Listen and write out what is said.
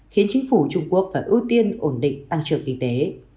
khiến chính phủ trung quốc phải ưu tiên ổn định tăng trưởng kinh tế